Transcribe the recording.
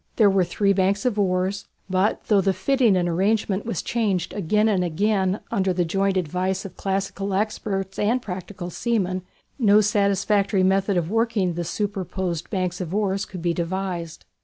There were three banks of oars, but though the fitting and arrangement was changed again and again under the joint advice of classical experts and practical seamen, no satisfactory method of working the superposed banks of oars could be devised.